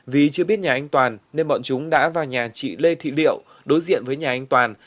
vì chưa biết nhà anh toàn nên bọn chúng đã vào nhà chị lê thị liệu đối diện với nhà anh toàn